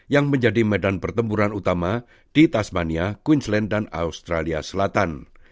yang menjadi medan pertempuran utama di tasmania queensland dan australia selatan